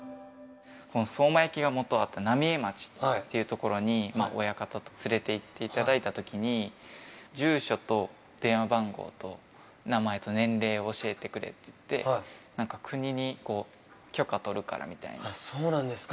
この相馬焼が元あった浪江町という所に親方に連れていっていただいたときに、住所と電話番号と名前と年齢を教えてくれっていって、なんか国にこう、そうなんですか。